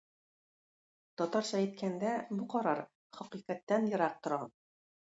Татарча әйткәндә, бу карар хакыйкатьтән ерак тора.